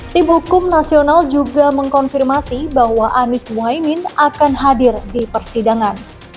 tim hukum nasional juga mengkonfirmasi bahwa anies mohaimin akan hadir di persidangan